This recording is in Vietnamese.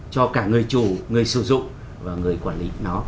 cho cả người chủ người sử dụng và người quản lý nó